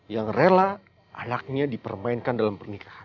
yang rela anaknya dipermainkan dalam pernikahan